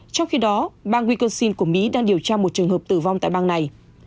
trong khi đó bang wikosin của mỹ đang điều tra một trường hợp tử vong tại bang này